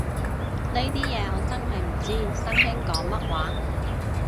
呢啲嘢我真係唔知，新興講乜話